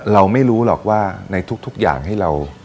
เราไม่รู้หรอกว่าในทุกอย่างให้เรา